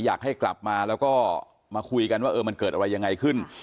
อยากให้กลับมาแล้วก็มาคุยกันว่าเออมันเกิดอะไรยังไงขึ้น